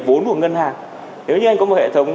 vốn của ngân hàng nếu như anh có một hệ thống